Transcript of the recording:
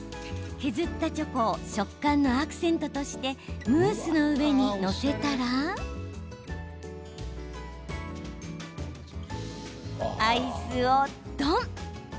削ったチョコを食感のアクセントとしてムースの上に載せたらアイスをドン！